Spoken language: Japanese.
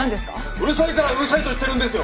うるさいから「うるさい」と言ってるんですよ！